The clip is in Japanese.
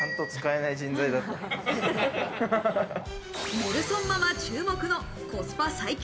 ネルソンママ注目のコスパ最強